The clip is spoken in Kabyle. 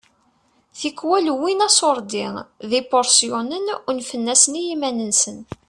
Tikwal wwin aṣurdi d ipuṛsyunen u unfen-asen d yiman-nsen.